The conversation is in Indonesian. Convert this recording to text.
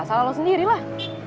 salah lo sendiri lah